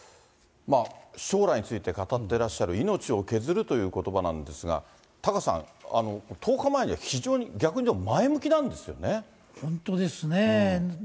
将来について語ってらっしゃる、命を削るということばなんですが、タカさん、１０日前には非常に、本当ですね。